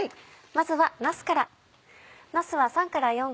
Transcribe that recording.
まずはなすから。